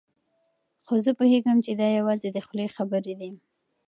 خو زه پوهېږم چې دا یوازې د خولې خبرې دي.